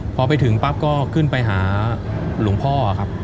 พอไปถึงปั๊บก็ขึ้นไปหาหลวงพ่อครับ